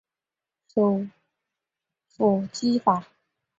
首府基法。